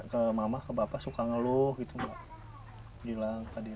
ke mama ke bapak suka ngeluh gitu gilang